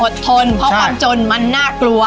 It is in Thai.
ทนเพราะความจนมันน่ากลัว